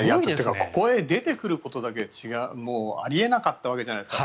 ここへ出てくることだけでもうあり得なかったわけじゃないですか。